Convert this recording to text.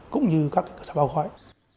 cũng như các cái cơ sở bao gói